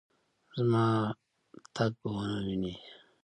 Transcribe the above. زما تګ به ونه وینې